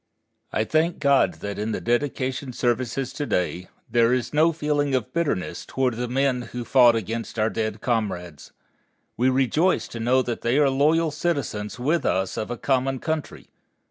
I thank God that in the dedication services to day there is no feeling of bitterness toward the men who fought against our dead comrades. We rejoice to know that they are loyal citizens with us of a common country.